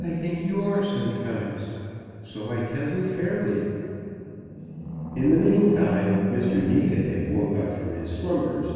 "I think you are sometimes; so I tell you fairly." In the meantime Mr. Neefit had woke from his slumbers.